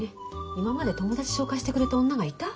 今まで友達紹介してくれた女がいた？